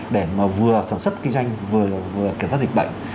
để mà vừa sản xuất kinh doanh vừa kiểm soát dịch bệnh